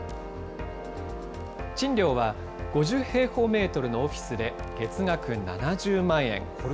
賃料は５０平方メートルのオフィスで月額７０万円。